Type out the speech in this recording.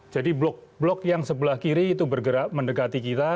jadi blok blok yang sebelah kiri itu bergerak mendekati kita